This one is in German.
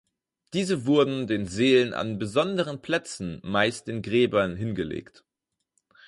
Diese wurden den Seelen an besonderen Plätzen, meist den Gräbern, hingelegt.